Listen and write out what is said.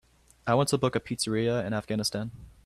I want to book a pizzeria in Afghanistan.